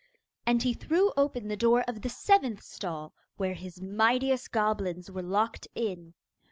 And he threw open the door of the seventh stall, where his mightiest goblins were locked in.